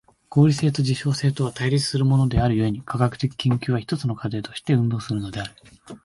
合理性と実証性とは対立するものである故に、科学的研究は一つの過程として運動するのである。